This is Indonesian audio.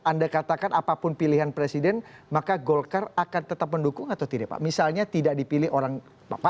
kalau anda katakan apapun pilihan presiden maka golkar akan tetap mendukung atau tidak misalnya tidak dipilih oleh bapak